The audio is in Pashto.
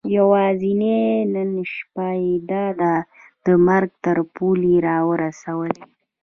یوازې نن شپه یې دا دی د مرګ تر پولې را ورسولو.